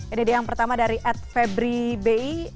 ini dia yang pertama dari atfebri bi